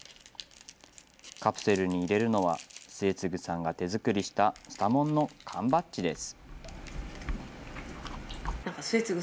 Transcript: カプセルに入れるのは、末次さんが手作りしたスタモンの缶バッジです。